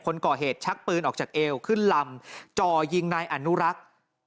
คนก่อเหตุชักปืนออกจากเอวขึ้นลำจ่อยิงนายอนุรักษ์